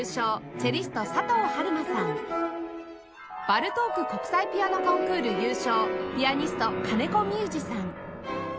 バルトーク国際ピアノコンクール優勝ピアニスト金子三勇士さん